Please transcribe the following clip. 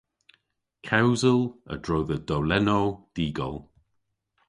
Kewsel a-dro dhe dowlennow dy'gol.